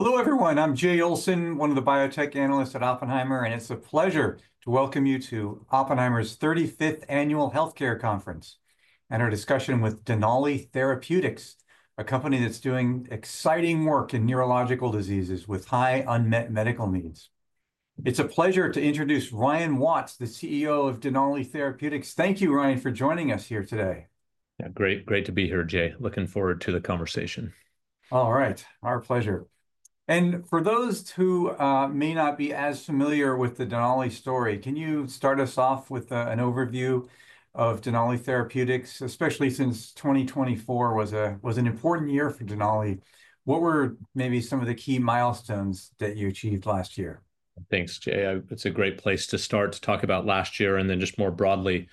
Hello, everyone. I'm Jay Olson, one of the biotech analysts at Oppenheimer, and it's a pleasure to welcome you to Oppenheimer's 35th Annual Healthcare Conference and our discussion with Denali Therapeutics, a company that's doing exciting work in neurological diseases with high unmet medical needs. It's a pleasure to introduce Ryan Watts, the CEO of Denali Therapeutics. Thank you, Ryan, for joining us here today. Yeah, great, great to be here, Jay. Looking forward to the conversation. All right, our pleasure. And for those who may not be as familiar with the Denali story, can you start us off with an overview of Denali Therapeutics, especially since 2024 was an important year for Denali? What were maybe some of the key milestones that you achieved last year? Thanks, Jay. It's a great place to start to talk about last year and then just more broadly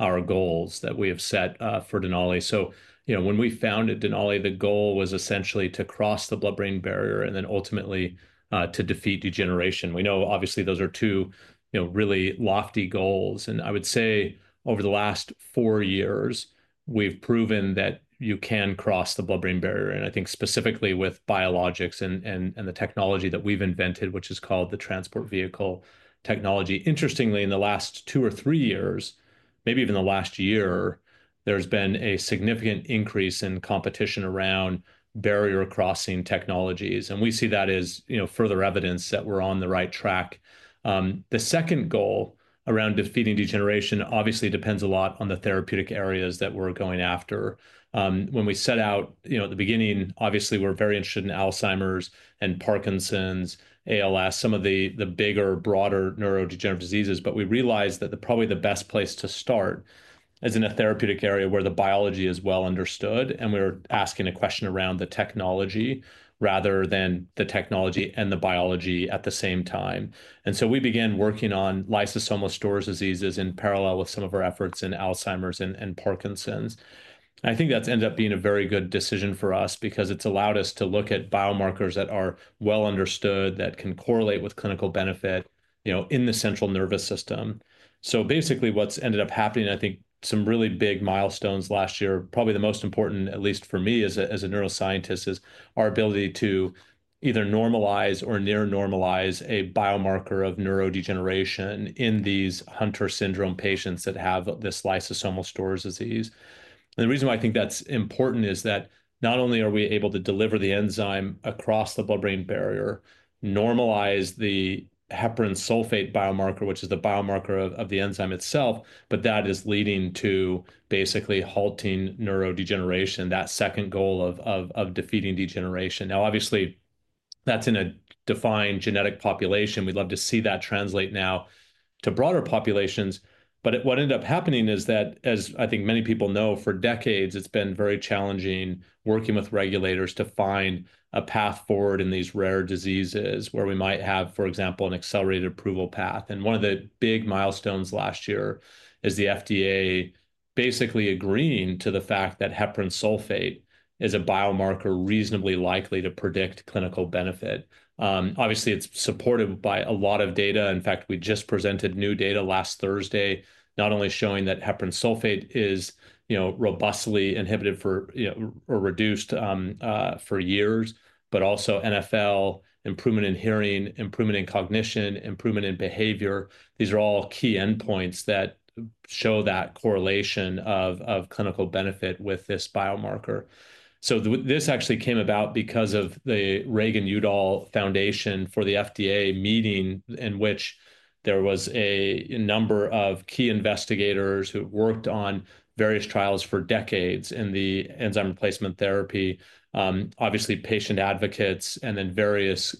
our goals that we have set for Denali. So, you know, when we founded Denali, the goal was essentially to cross the blood-brain barrier and then ultimately to defeat degeneration. We know, obviously, those are two really lofty goals. And I would say over the last four years, we've proven that you can cross the blood-brain barrier. And I think specifically with biologics and the technology that we've invented, which is called the Transport Vehicle technology. Interestingly, in the last two or three years, maybe even the last year, there's been a significant increase in competition around barrier-crossing technologies. And we see that as further evidence that we're on the right track. The second goal around defeating degeneration obviously depends a lot on the therapeutic areas that we're going after. When we set out, you know, at the beginning, obviously, we're very interested in Alzheimer's and Parkinson's, ALS, some of the bigger, broader neurodegenerative diseases. But we realized that probably the best place to start is in a therapeutic area where the biology is well understood. And we were asking a question around the technology rather than the technology and the biology at the same time. And so we began working on lysosomal storage diseases in parallel with some of our efforts in Alzheimer's and Parkinson's. I think that's ended up being a very good decision for us because it's allowed us to look at biomarkers that are well understood that can correlate with clinical benefit in the central nervous system. So basically, what's ended up happening, I think some really big milestones last year, probably the most important, at least for me as a neuroscientist, is our ability to either normalize or near-normalize a biomarker of neurodegeneration in these Hunter syndrome patients that have this lysosomal storage disease. And the reason why I think that's important is that not only are we able to deliver the enzyme across the blood-brain barrier, normalize the heparan sulfate biomarker, which is the biomarker of the enzyme itself, but that is leading to basically halting neurodegeneration, that second goal of defeating degeneration. Now, obviously, that's in a defined genetic population. We'd love to see that translate now to broader populations. But what ended up happening is that, as I think many people know, for decades, it's been very challenging working with regulators to find a path forward in these rare diseases where we might have, for example, an accelerated approval path. And one of the big milestones last year is the FDA basically agreeing to the fact that heparan sulfate is a biomarker reasonably likely to predict clinical benefit. Obviously, it's supported by a lot of data. In fact, we just presented new data last Thursday, not only showing that heparan sulfate is robustly inhibited or reduced for years, but also NfL, improvement in hearing, improvement in cognition, improvement in behavior. These are all key endpoints that show that correlation of clinical benefit with this biomarker. So this actually came about because of the Reagan-Udall Foundation for the FDA meeting in which there was a number of key investigators who worked on various trials for decades in the enzyme replacement therapy, obviously patient advocates, and then various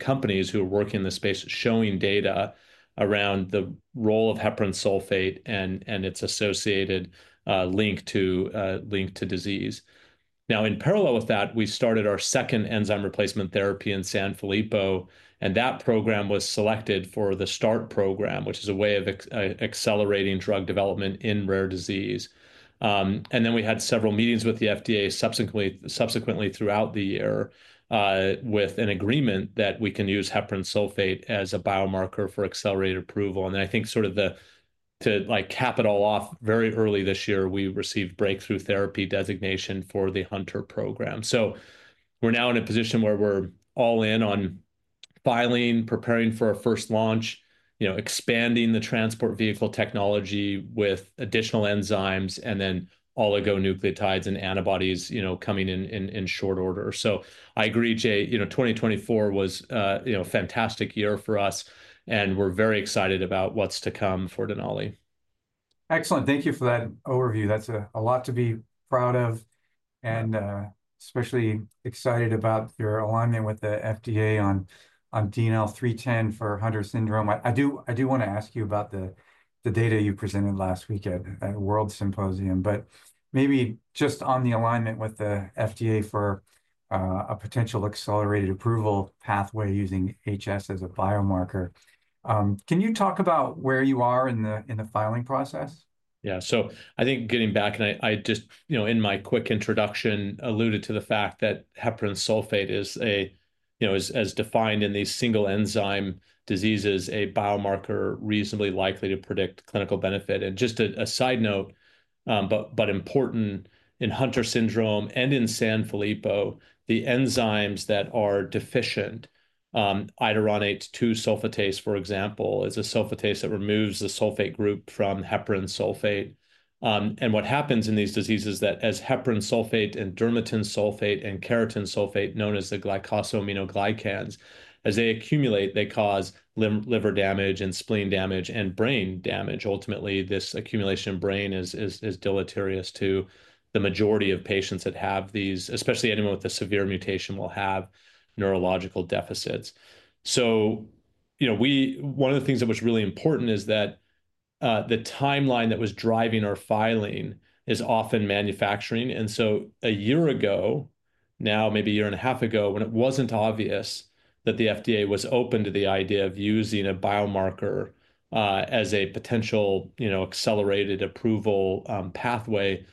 companies who are working in the space showing data around the role of heparan sulfate and its associated link to disease. Now, in parallel with that, we started our second enzyme replacement therapy in Sanfilippo. And that program was selected for the START program, which is a way of accelerating drug development in rare disease. And then we had several meetings with the FDA subsequently throughout the year with an agreement that we can use heparan sulfate as a biomarker for accelerated approval. And I think sort of to cap it all off very early this year, we received breakthrough therapy designation for the Hunter program. So we're now in a position where we're all in on filing, preparing for our first launch, expanding the Transport Vehicle technology with additional enzymes, and then oligonucleotides and antibodies coming in short order. So I agree, Jay. 2024 was a fantastic year for us. And we're very excited about what's to come for Denali. Excellent. Thank you for that overview. That's a lot to be proud of, and especially excited about your alignment with the FDA on DNL310 for Hunter syndrome. I do want to ask you about the data you presented last week at WORLDSymposium, but maybe just on the alignment with the FDA for a potential accelerated approval pathway using HS as a biomarker. Can you talk about where you are in the filing process? Yeah. So I think getting back, and I just in my quick introduction alluded to the fact that heparan sulfate is, as defined in these single enzyme diseases, a biomarker reasonably likely to predict clinical benefit. And just a side note, but important in Hunter syndrome and in Sanfilippo, the enzymes that are deficient, iduronate-2-sulfatase, for example, is a sulfatase that removes the sulfate group from heparan sulfate. And what happens in these diseases is that as heparan sulfate and dermatan sulfate and keratan sulfate, known as the glycosaminoglycans, as they accumulate, they cause liver damage and spleen damage and brain damage. Ultimately, this accumulation in brain is deleterious to the majority of patients that have these, especially anyone with a severe mutation will have neurological deficits. So one of the things that was really important is that the timeline that was driving our filing is often manufacturing. A year ago, now maybe a year and a half ago, when it wasn't obvious that the FDA was open to the idea of using a biomarker as a potential accelerated approval pathway,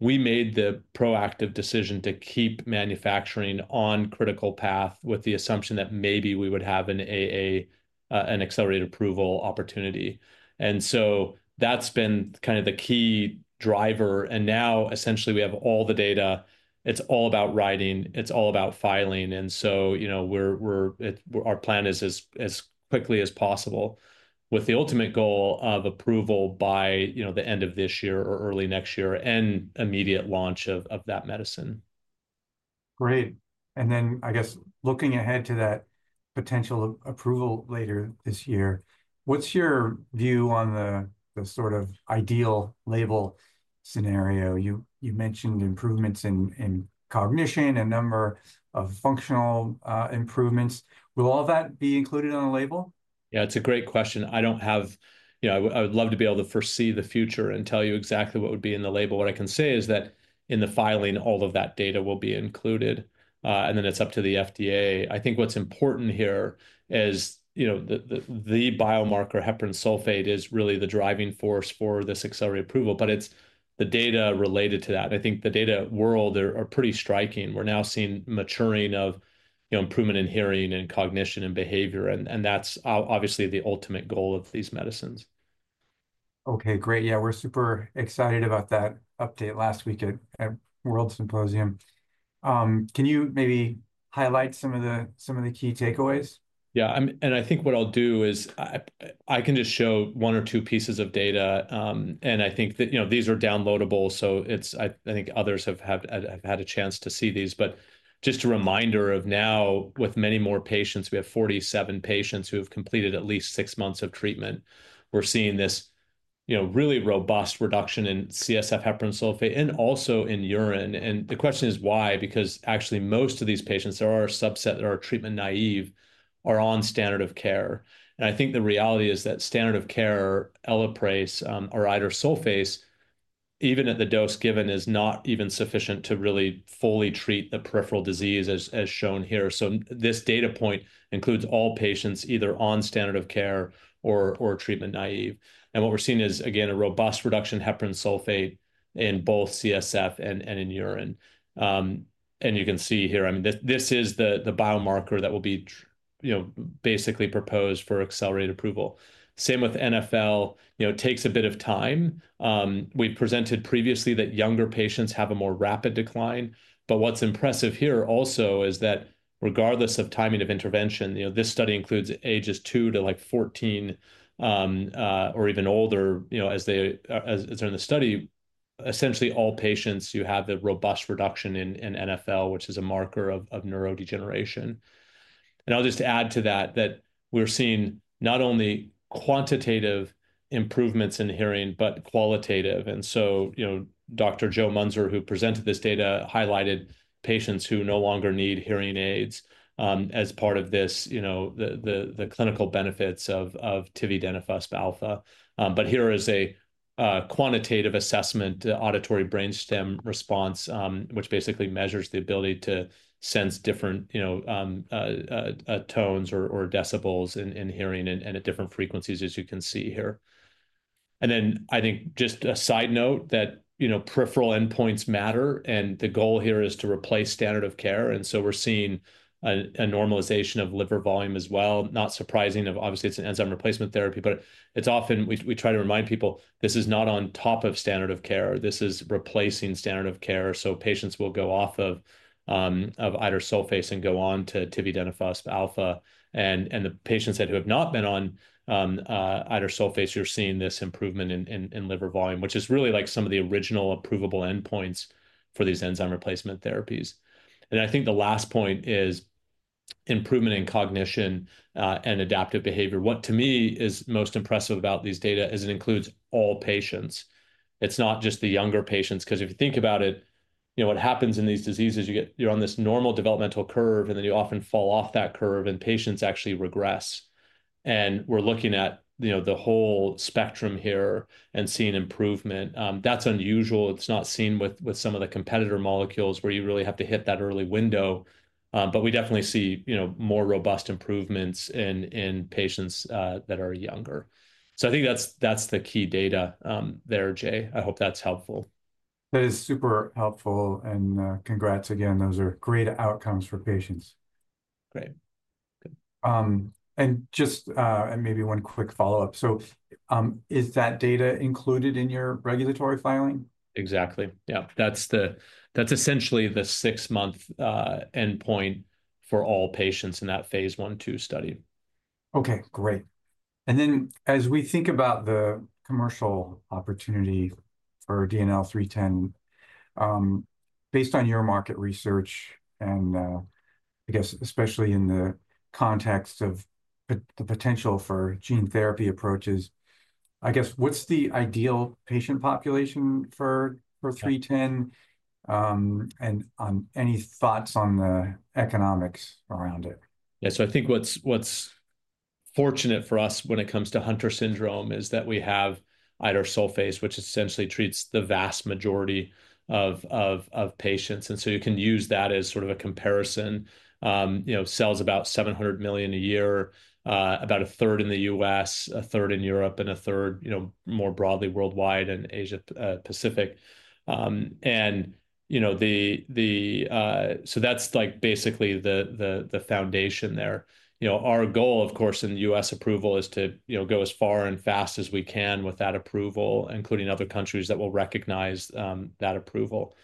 we made the proactive decision to keep manufacturing on critical path with the assumption that maybe we would have an accelerated approval opportunity. That's been kind of the key driver. Now, essentially, we have all the data. It's all about writing. It's all about filing. Our plan is as quickly as possible, with the ultimate goal of approval by the end of this year or early next year and immediate launch of that medicine. Great. And then I guess looking ahead to that potential approval later this year, what's your view on the sort of ideal label scenario? You mentioned improvements in cognition, a number of functional improvements. Will all that be included on the label? Yeah, it's a great question. I don't have. I would love to be able to foresee the future and tell you exactly what would be in the label. What I can say is that in the filing, all of that data will be included. And then it's up to the FDA. I think what's important here is the biomarker heparan sulfate is really the driving force for this accelerated approval. But it's the data related to that. I think the data are pretty striking. We're now seeing maturing of improvement in hearing and cognition and behavior. And that's obviously the ultimate goal of these medicines. OK, great. Yeah, we're super excited about that update last week at WORLDSymposium. Can you maybe highlight some of the key takeaways? Yeah, and I think what I'll do is I can just show one or two pieces of data. And I think these are downloadable. So I think others have had a chance to see these. But just a reminder of now, with many more patients, we have 47 patients who have completed at least six months of treatment. We're seeing this really robust reduction in CSF heparan sulfate, and also in urine. And the question is why, because actually most of these patients that are subset, that are treatment naive, are on standard of care. And I think the reality is that standard of care, Elaprase, or idursulfase, even at the dose given, is not even sufficient to really fully treat the peripheral disease, as shown here. So this data point includes all patients either on standard of care or treatment naive. And what we're seeing is, again, a robust reduction in heparan sulfate in both CSF and in urine. And you can see here, I mean, this is the biomarker that will be basically proposed for accelerated approval. Same with NfL. It takes a bit of time. We've presented previously that younger patients have a more rapid decline. But what's impressive here also is that regardless of timing of intervention, this study includes ages two to like 14 or even older. As they are in the study, essentially all patients, you have the robust reduction in NfL, which is a marker of neurodegeneration. And I'll just add to that that we're seeing not only quantitative improvements in hearing, but qualitative. And so Dr. Joe Muenzer, who presented this data, highlighted patients who no longer need hearing aids as part of the clinical benefits of tividenofusp alfa. But here is a quantitative assessment, Auditory Brainstem Response, which basically measures the ability to sense different tones or decibels in hearing and at different frequencies, as you can see here. And then I think just a side note that peripheral endpoints matter. And the goal here is to replace standard of care. And so we're seeing a normalization of liver volume as well. Not surprising, obviously, it's an enzyme replacement therapy. But we try to remind people this is not on top of standard of care. This is replacing standard of care. So patients will go off of idursulfase and go on to tividenofusp alfa. And the patients that have not been on idursulfase, you're seeing this improvement in liver volume, which is really like some of the original approvable endpoints for these enzyme replacement therapies. And I think the last point is improvement in cognition and adaptive behavior. What to me is most impressive about these data is it includes all patients. It's not just the younger patients. Because if you think about it, what happens in these diseases, you're on this normal developmental curve. And then you often fall off that curve. And patients actually regress. And we're looking at the whole spectrum here and seeing improvement. That's unusual. It's not seen with some of the competitor molecules where you really have to hit that early window. But we definitely see more robust improvements in patients that are younger. So I think that's the key data there, Jay. I hope that's helpful. That is super helpful. And congrats again. Those are great outcomes for patients. Great. Just maybe one quick follow-up. Is that data included in your regulatory filing? Exactly. Yeah. That's essentially the six-month endpoint for all patients in that Phase I/II study. OK, great. And then as we think about the commercial opportunity for DNL310, based on your market research, and I guess especially in the context of the potential for gene therapy approaches, I guess what's the ideal patient population for 310? And any thoughts on the economics around it? Yeah. So I think what's fortunate for us when it comes to Hunter syndrome is that we have idursulfase, which essentially treats the vast majority of patients. And so you can use that as sort of a comparison. Sells about $700 million a year, about a third in the U.S., a third in Europe, and a third more broadly worldwide and Asia-Pacific. And so that's basically the foundation there. Our goal, of course, in U.S. approval is to go as far and fast as we can with that approval, including other countries that will recognize that approval.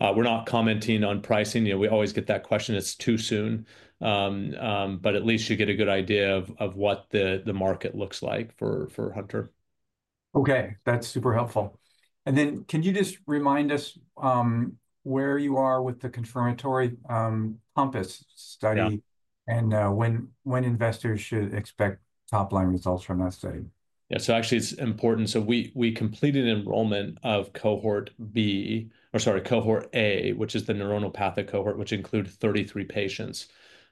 We're not commenting on pricing. We always get that question. It's too soon. But at least you get a good idea of what the market looks like for Hunter. OK, that's super helpful. And then can you just remind us where you are with the confirmatory COMPASS study and when investors should expect top-line results from that study? Yeah. So actually, it's important. So we completed enrollment of cohort B, or sorry, cohort A, which is the neuronopathic cohort, which includes 33 patients.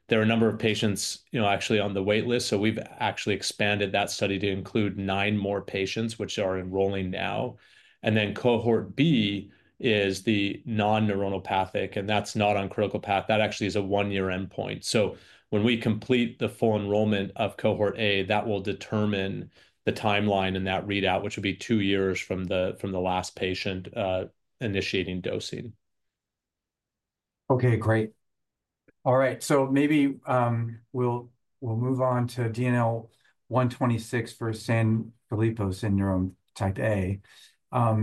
There are a number of patients actually on the waitlist. So we've actually expanded that study to include nine more patients, which are enrolling now. And then cohort B is the non-neuronopathic. And that's not on critical path. That actually is a one-year endpoint. So when we complete the full enrollment of cohort A, that will determine the timeline in that readout, which will be two years from the last patient initiating dosing. OK, great. All right. So maybe we'll move on to DNL126 for Sanfilippo syndrome type A. Can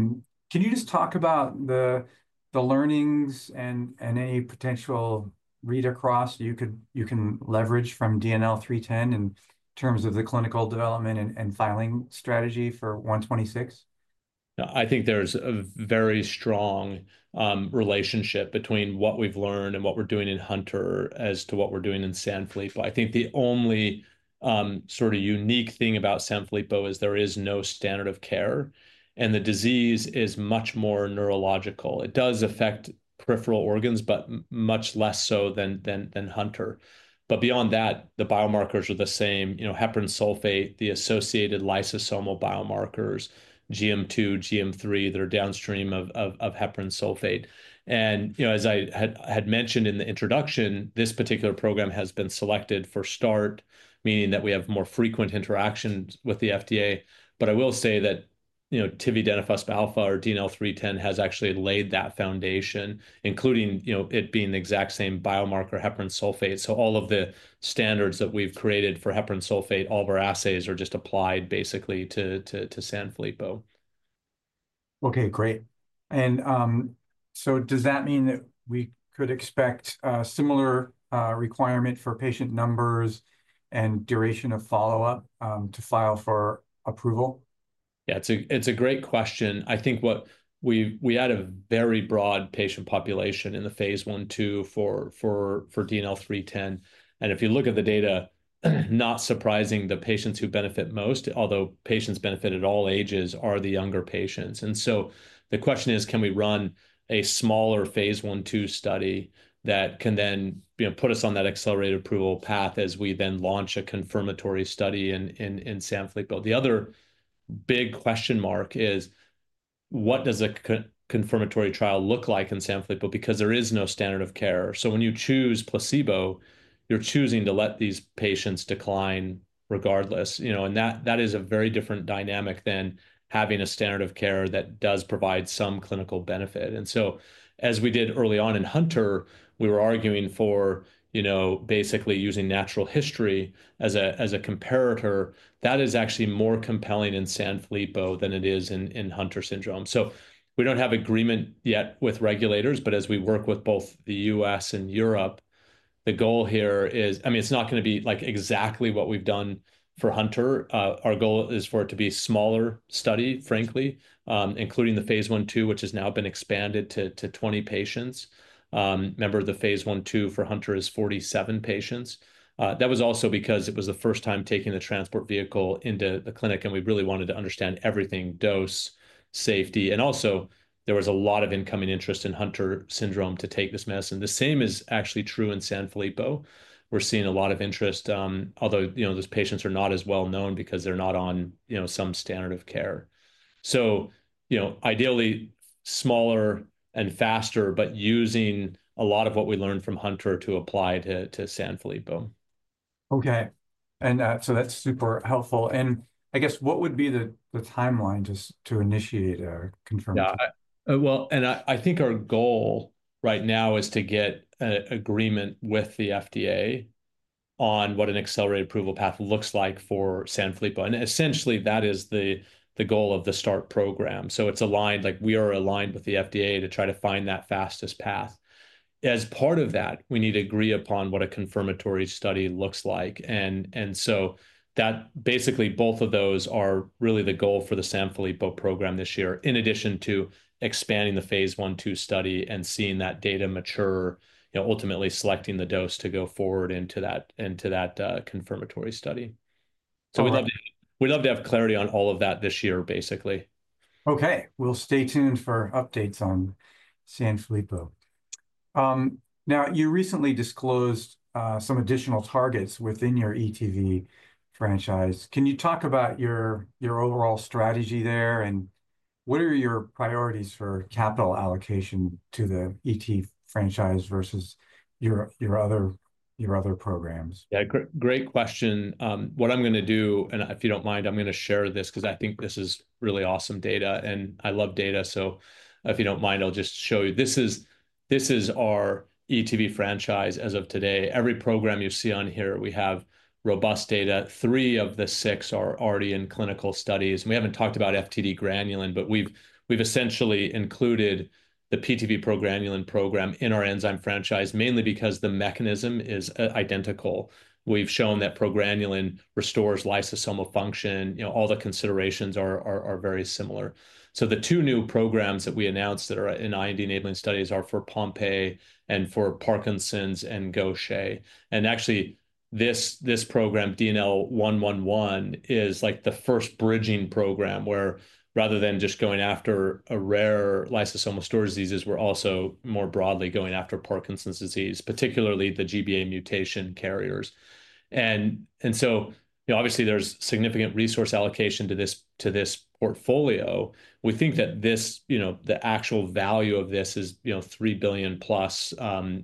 you just talk about the learnings and any potential read across you can leverage from DNL310 in terms of the clinical development and filing strategy for 126? I think there's a very strong relationship between what we've learned and what we're doing in Hunter as to what we're doing in Sanfilippo. I think the only sort of unique thing about Sanfilippo is there is no standard of care, and the disease is much more neurological. It does affect peripheral organs, but much less so than Hunter, but beyond that, the biomarkers are the same: heparan sulfate, the associated lysosomal biomarkers, GM2, GM3 that are downstream of heparan sulfate, and as I had mentioned in the introduction, this particular program has been selected for START, meaning that we have more frequent interactions with the FDA, but I will say that tividenofusp alfa or DNL310 has actually laid that foundation, including it being the exact same biomarker heparan sulfate. So all of the standards that we've created for heparan sulfate, all of our assays are just applied basically to Sanfilippo. OK, great. And so does that mean that we could expect a similar requirement for patient numbers and duration of follow-up to file for approval? Yeah, it's a great question. I think we had a very broad patient population in the Phase I/II for DNL310. And if you look at the data, not surprising, the patients who benefit most, although patients benefit at all ages, are the younger patients, and so the question is, can we run a smaller Phase I/II study that can then put us on that accelerated approval path as we then launch a confirmatory study in Sanfilippo? The other big question mark is, what does a confirmatory trial look like in Sanfilippo? Because there is no standard of care, so when you choose placebo, you're choosing to let these patients decline regardless, and that is a very different dynamic than having a standard of care that does provide some clinical benefit. And so as we did early on in Hunter, we were arguing for basically using natural history as a comparator. That is actually more compelling in Sanfilippo than it is in Hunter syndrome. So we don't have agreement yet with regulators. But as we work with both the U.S. and Europe, the goal here is, I mean, it's not going to be like exactly what we've done for Hunter. Our goal is for it to be a smaller study, frankly, including the Phase I/II, which has now been expanded to 20 patients. Remember, the Phase I/II for Hunter is 47 patients. That was also because it was the first time taking the Transport Vehicle into the clinic. And we really wanted to understand everything: dose, safety. And also, there was a lot of incoming interest in Hunter syndrome to take this medicine. The same is actually true in Sanfilippo. We're seeing a lot of interest, although those patients are not as well known because they're not on some standard of care. So ideally, smaller and faster, but using a lot of what we learned from Hunter to apply to Sanfilippo. OK. And so that's super helpful. And I guess what would be the timeline just to initiate a confirmatory? Yeah. I think our goal right now is to get an agreement with the FDA on what an accelerated approval path looks like for Sanfilippo. Essentially, that is the goal of the START program. It's aligned. We are aligned with the FDA to try to find that fastest path. As part of that, we need to agree upon what a confirmatory study looks like. That basically both of those are really the goal for the Sanfilippo program this year, in addition to expanding the Phase I/II study and seeing that data mature, ultimately selecting the dose to go forward into that confirmatory study. We'd love to have clarity on all of that this year, basically. OK. We'll stay tuned for updates on Sanfilippo. Now, you recently disclosed some additional targets within your ETV franchise. Can you talk about your overall strategy there? And what are your priorities for capital allocation to the ETV franchise versus your other programs? Yeah, great question. What I'm going to do, and if you don't mind, I'm going to share this because I think this is really awesome data. And I love data. So if you don't mind, I'll just show you. This is our ETV franchise as of today. Every program you see on here, we have robust data. Three of the six are already in clinical studies. And we haven't talked about FTD granulin. But we've essentially included the PTV progranulin program in our enzyme franchise, mainly because the mechanism is identical. We've shown that progranulin restores lysosomal function. All the considerations are very similar. So the two new programs that we announced that are in IND enabling studies are for Pompe and for Parkinson's and Gaucher. Actually, this program, DNL111, is like the first bridging program where, rather than just going after rare lysosomal storage diseases, we're also more broadly going after Parkinson's disease, particularly the GBA mutation carriers. So obviously, there's significant resource allocation to this portfolio. We think that the actual value of this is $3 billion plus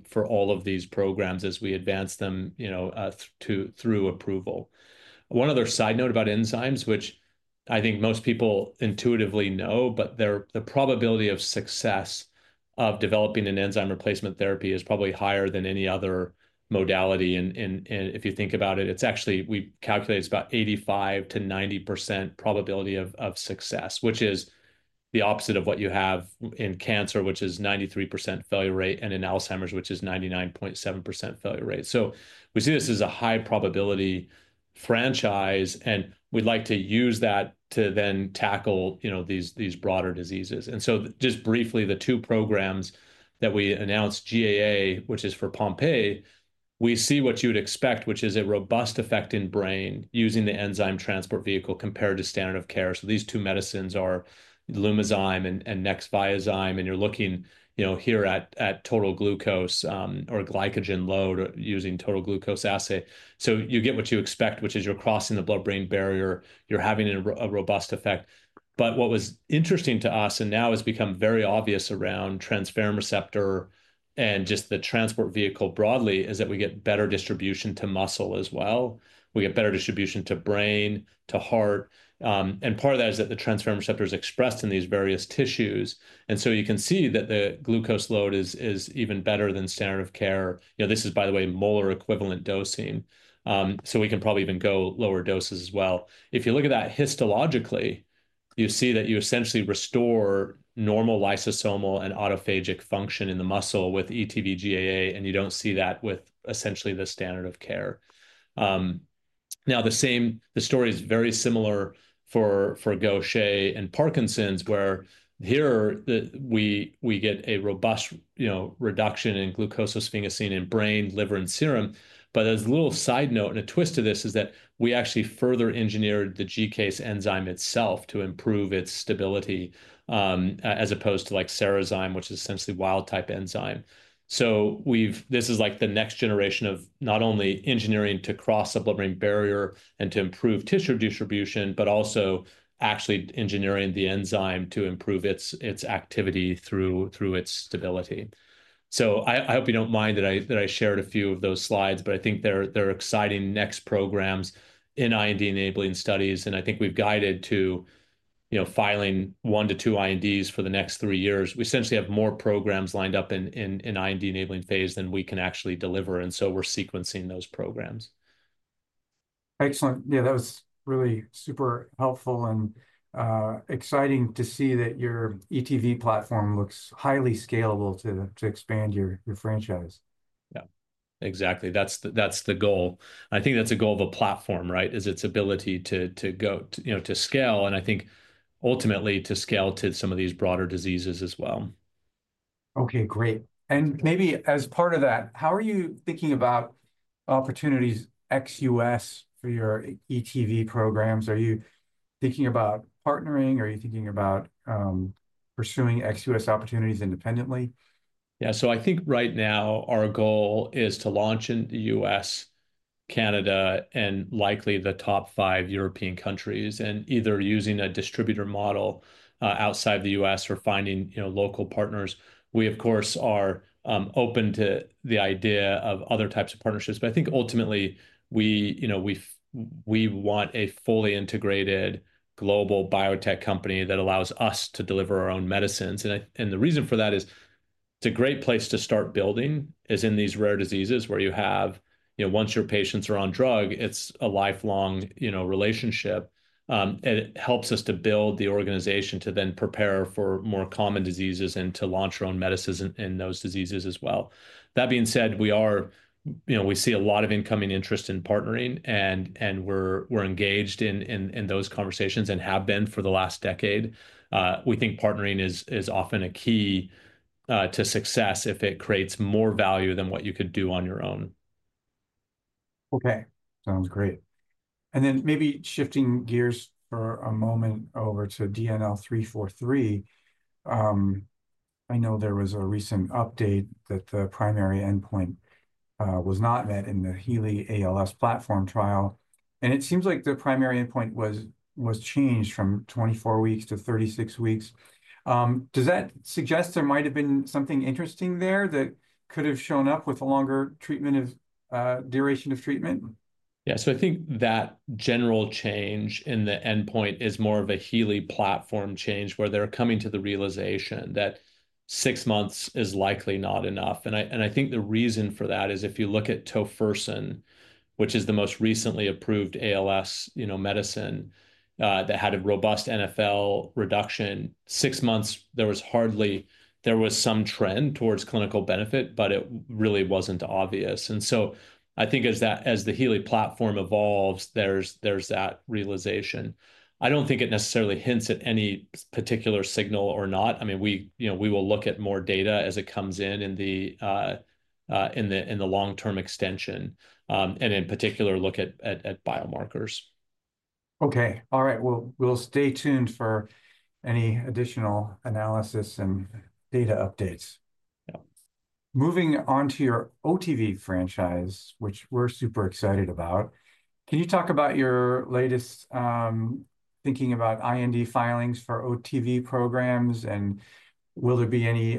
for all of these programs as we advance them through approval. One other side note about enzymes, which I think most people intuitively know, but the probability of success of developing an enzyme replacement therapy is probably higher than any other modality. And if you think about it, it's actually we calculate it's about 85%-90% probability of success, which is the opposite of what you have in cancer, which is 93% failure rate, and in Alzheimer's, which is 99.7% failure rate. So we see this as a high probability franchise. And we'd like to use that to then tackle these broader diseases. So just briefly, the two programs that we announced, GAA, which is for Pompe, we see what you would expect, which is a robust effect in brain using the enzyme transport vehicle compared to standard of care. So these two medicines are Lumizyme and Nexviazyme. And you're looking here at total glucose or glycogen load using total glucose assay. So you get what you expect, which is you're crossing the blood-brain barrier. You're having a robust effect. But what was interesting to us, and now has become very obvious around transferrin receptor and just the Transport Vehicle broadly, is that we get better distribution to muscle as well. We get better distribution to brain, to heart. And part of that is that the transferrin receptor is expressed in these various tissues. And so you can see that the glucose load is even better than standard of care. This is, by the way, molar equivalent dosing. So we can probably even go lower doses as well. If you look at that histologically, you see that you essentially restore normal lysosomal and autophagic function in the muscle with ETV GAA. And you don't see that with essentially the standard of care. Now, the story is very similar for Gaucher and Parkinson's, where here we get a robust reduction in glucosylsphingosine in brain, liver, and serum. But as a little side note and a twist to this is that we actually further engineered the GCase enzyme itself to improve its stability as opposed to like Cerezyme, which is essentially wild-type enzyme. This is like the next generation of not only engineering to cross the blood-brain barrier and to improve tissue distribution, but also actually engineering the enzyme to improve its activity through its stability. I hope you don't mind that I shared a few of those slides. I think they're exciting next programs in IND enabling studies. I think we've guided to filing one to two INDs for the next three years. We essentially have more programs lined up in IND enabling phase than we can actually deliver. So, we're sequencing those programs. Excellent. Yeah, that was really super helpful and exciting to see that your ETV platform looks highly scalable to expand your franchise. Yeah, exactly. That's the goal. I think that's the goal of a platform, right, is its ability to scale. And I think ultimately to scale to some of these broader diseases as well. OK, great. And maybe as part of that, how are you thinking about opportunities ex-U.S. for your ETV programs? Are you thinking about partnering? Are you thinking about pursuing ex-U.S. opportunities independently? Yeah. So I think right now our goal is to launch in the U.S., Canada, and likely the top five European countries, and either using a distributor model outside the U.S. or finding local partners. We, of course, are open to the idea of other types of partnerships. But I think ultimately we want a fully integrated global biotech company that allows us to deliver our own medicines. And the reason for that is it's a great place to start building is in these rare diseases where you have, once your patients are on drug, it's a lifelong relationship. And it helps us to build the organization to then prepare for more common diseases and to launch our own medicines in those diseases as well. That being said, we see a lot of incoming interest in partnering. And we're engaged in those conversations and have been for the last decade. We think partnering is often a key to success if it creates more value than what you could do on your own. OK, sounds great. And then maybe shifting gears for a moment over to DNL343. I know there was a recent update that the primary endpoint was not met in the HEALEY ALS Platform Trial. And it seems like the primary endpoint was changed from 24 weeks to 36 weeks. Does that suggest there might have been something interesting there that could have shown up with a longer duration of treatment? Yeah. So I think that general change in the endpoint is more of a HEALEY platform change where they're coming to the realization that six months is likely not enough. I think the reason for that is if you look at tofersen, which is the most recently approved ALS medicine that had a robust NfL reduction, six months, there was some trend towards clinical benefit. But it really wasn't obvious. I think as the HEALEY platform evolves, there's that realization. I don't think it necessarily hints at any particular signal or not. I mean, we will look at more data as it comes in in the long-term extension and in particular look at biomarkers. OK. All right. We'll stay tuned for any additional analysis and data updates. Yeah. Moving on to your OTV franchise, which we're super excited about, can you talk about your latest thinking about IND filings for OTV programs? And will there be any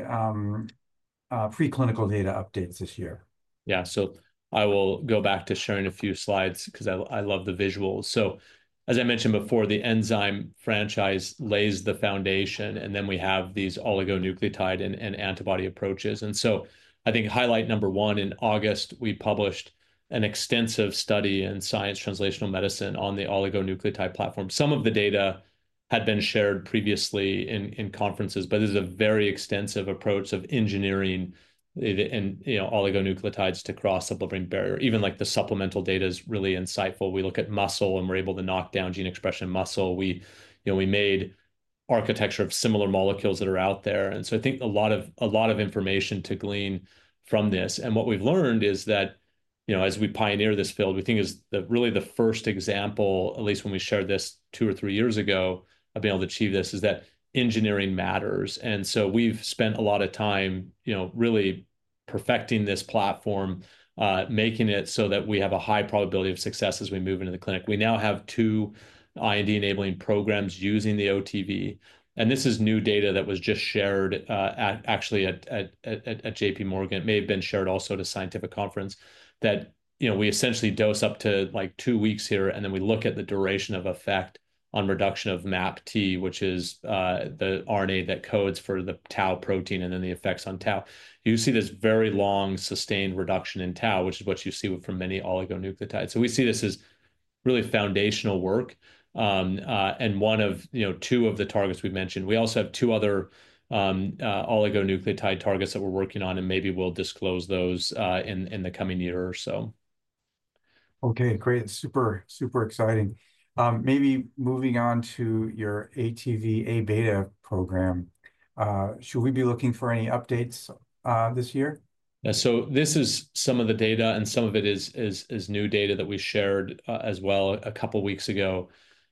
preclinical data updates this year? Yeah. So I will go back to sharing a few slides because I love the visuals. So as I mentioned before, the enzyme franchise lays the foundation. And then we have these oligonucleotide and antibody approaches. And so I think highlight number one, in August, we published an extensive study in Science Translational Medicine on the oligonucleotide platform. Some of the data had been shared previously in conferences. But this is a very extensive approach of engineering oligonucleotides to cross the blood-brain barrier. Even like the supplemental data is really insightful. We look at muscle. And we're able to knock down gene expression in muscle. We made architecture of similar molecules that are out there. And so I think a lot of information to glean from this. What we've learned is that as we pioneer this field, we think is really the first example, at least when we shared this two or three years ago, of being able to achieve this, is that engineering matters. So we've spent a lot of time really perfecting this platform, making it so that we have a high probability of success as we move into the clinic. We now have two IND enabling programs using the OTV. And this is new data that was just shared actually at J.P. Morgan. It may have been shared also at a scientific conference that we essentially dose up to like two weeks here. And then we look at the duration of effect on reduction of MAPT, which is the RNA that codes for the tau protein and then the effects on tau. You see this very long sustained reduction in tau, which is what you see from many oligonucleotides. So we see this as really foundational work. And one of two of the targets we mentioned. We also have two other oligonucleotide targets that we're working on. And maybe we'll disclose those in the coming year or so. OK, great. Super, super exciting. Maybe moving on to your ATV:Abeta program, should we be looking for any updates this year? Yeah. So this is some of the data. And some of it is new data that we shared as well a couple of weeks ago.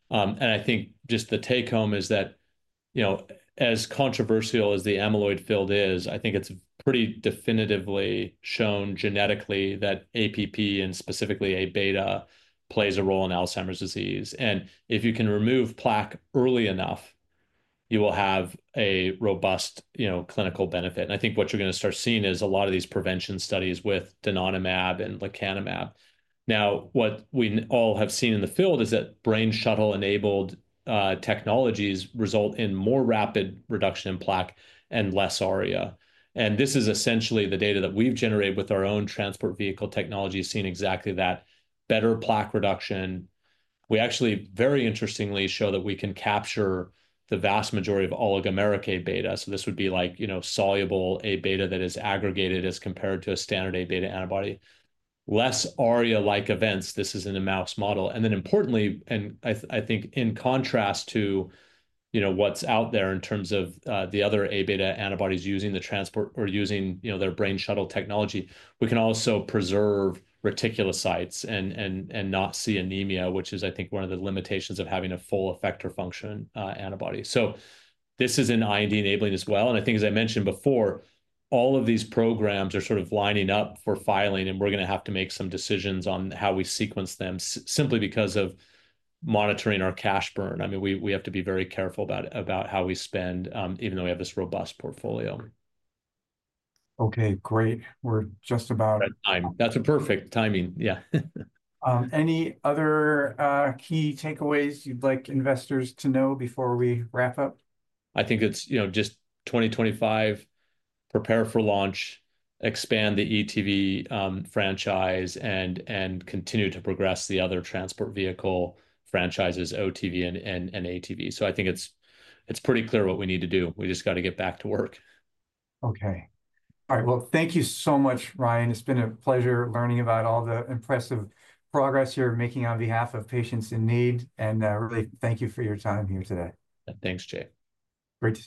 And I think just the take home is that as controversial as the amyloid field is, I think it's pretty definitively shown genetically that APP, and specifically Aβ, plays a role in Alzheimer's disease. And if you can remove plaque early enough, you will have a robust clinical benefit. And I think what you're going to start seeing is a lot of these prevention studies with donanemab and lecanemab. Now, what we all have seen in the field is that brain shuttle-enabled technologies result in more rapid reduction in plaque and less ARIA. And this is essentially the data that we've generated with our own Transport Vehicle technology seeing exactly that better plaque reduction. We actually, very interestingly, show that we can capture the vast majority of oligomeric Abeta. So this would be like soluble Abeta that is aggregated as compared to a standard Abeta antibody. Less ARIA-like events. This is in a mouse model. Then importantly, and I think in contrast to what's out there in terms of the other Abeta antibodies using the Transport or using their brain shuttle technology, we can also preserve reticulocytes and not see anemia, which is, I think, one of the limitations of having a full effector function antibody. So this is in IND-enabling as well. And I think, as I mentioned before, all of these programs are sort of lining up for filing. And we're going to have to make some decisions on how we sequence them simply because of monitoring our cash burn. I mean, we have to be very careful about how we spend, even though we have this robust portfolio. OK, great. We're just about. That's a perfect timing. Yeah. Any other key takeaways you'd like investors to know before we wrap up? I think it's just 2025, prepare for launch, expand the ETV franchise, and continue to progress the other Transport Vehicle franchises, OTV and ATV. So I think it's pretty clear what we need to do. We just got to get back to work. OK. All right. Well, thank you so much, Ryan. It's been a pleasure learning about all the impressive progress you're making on behalf of patients in need. And really, thank you for your time here today. Thanks, Jay. Great to.